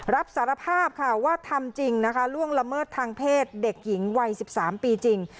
รับสารภาพค่ะว่าทำจริงนะคะล่วงละเมิดทางเพศเด็กหญิงวัย๑๓ปีจริง